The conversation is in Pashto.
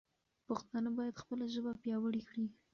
پښتانه باید خپله ژبه پیاوړې کړي.